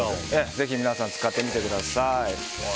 ぜひ皆さん使ってみてください。